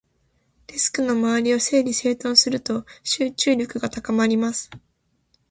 デスクの周りを整理整頓すると、集中力が高まります。